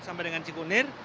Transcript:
sampai dengan cikunir